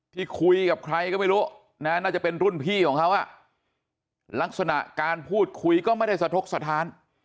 ที่คุยกับใครก็ไม่รู้นะน่าจะเป็นรุ่นพี่ของเขาลักษณะการพูดคุยก็ไม่ได้สะทกสถาน